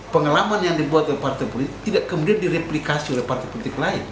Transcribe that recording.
pengalaman yang dibuat oleh partai politik tidak kemudian direplikasi oleh partai politik lain